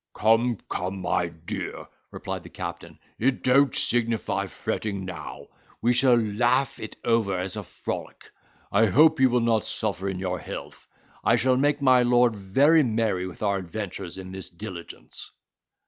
"Come, come, my dear," replied the captain, "it don't signify fretting now; we shall laugh it over as a frolic; I hope you will not suffer in your health. I shall make my lord very merry with our adventures in this diligence."